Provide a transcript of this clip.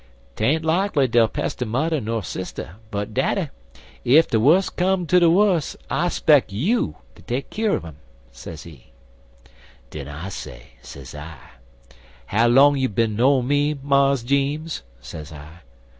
'Tain't likely dey'll pester mother ner sister; but, daddy, ef de wus come ter de wus, I speck you ter take keer un um,' sezee. "Den I say, sez I: 'How long you bin knowin' me, Mars Jeems?' sez I.